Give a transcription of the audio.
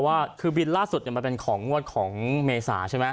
ว่าคือบินล่าสุดเป็นของเมษาใช่มั้ย